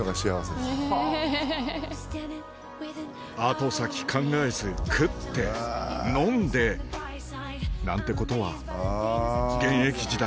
後先考えず食って飲んでなんてことは現役時代